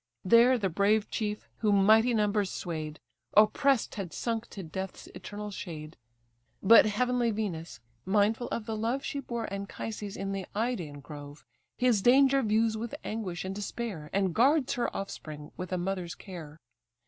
There the brave chief, who mighty numbers sway'd, Oppress'd had sunk to death's eternal shade, But heavenly Venus, mindful of the love She bore Anchises in the Idaean grove, His danger views with anguish and despair, And guards her offspring with a mother's care.